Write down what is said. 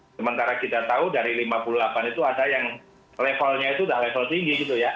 sementara kita tahu dari lima puluh delapan itu ada yang levelnya itu sudah level tinggi gitu ya